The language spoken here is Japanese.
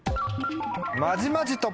まじまじと。